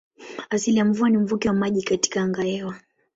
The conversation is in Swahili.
Asili ya mvua ni mvuke wa maji katika angahewa.